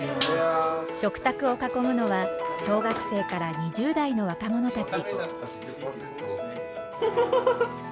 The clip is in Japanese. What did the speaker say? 食卓を囲むのは小学生から２０代の若者たち。